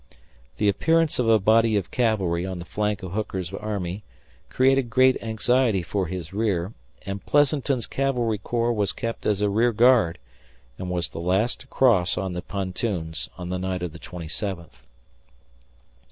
The appearance of a body of cavalry on the flank of Hooker's army created great anxiety for his rear, and Pleasanton's cavalry corps was kept as a rear guard and was the last to cross on the pontoons on the night of the twenty seventh.